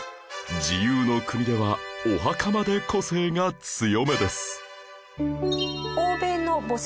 自由の国ではお墓まで個性が強めです